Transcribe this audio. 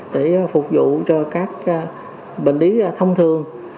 để phục vụ cho các bệnh lý thông thường